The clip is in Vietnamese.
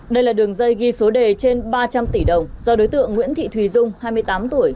đây là đường dây ghi số đề trên ba trăm linh tỷ đồng do đối tượng nguyễn thị thùy dung hai mươi tám tuổi